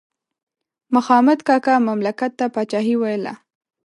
مخامد کاکا مملکت ته پاچاهي ویله.